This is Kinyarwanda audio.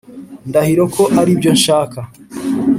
ndahiro ko aribyo nshaka.